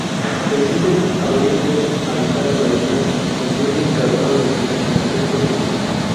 Existen aborígenes habitando la isla, los mismos que adoran al gigantesco simio.